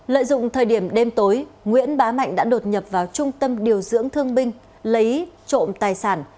lợi dụng thời điểm đêm tối nguyễn bá mạnh đã đột nhập vào trung tâm điều dưỡng thương binh lấy trộm tài sản